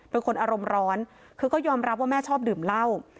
เป็นคนอารมณ์ร้อนคือก็ยอมรับว่าแม่ชอบดื่มเหล้า